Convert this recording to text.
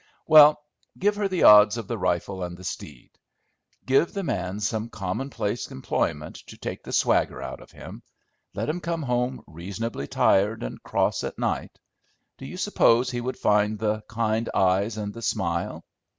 "Well, give her the odds of the rifle and the steed; give the man some commonplace employment to take the swagger out of him; let him come home reasonably tired and cross at night, do you suppose he would find the 'kind' eyes and the 'smile'?